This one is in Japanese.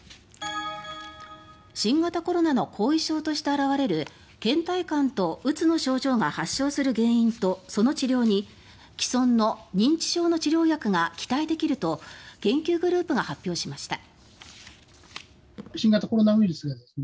新型コロナの後遺症として表れるけん怠感と、うつの症状が発症する原因とその治療に既存の認知症の治療薬が期待できると研究グループが発表しました。